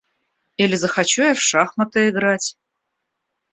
Или захочу я в шахматы играть.